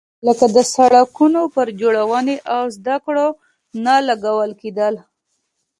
لکه د سړکونو پر جوړونې او زده کړو نه لګول کېدل.